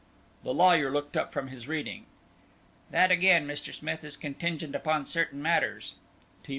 '" The lawyer looked up from his reading. "That again, Mr. Smith, is contingent upon certain matters."